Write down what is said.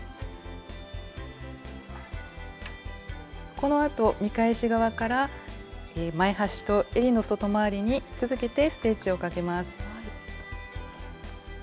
このあと見返し側から前端とえりの外回りに続けてステッチをかけます。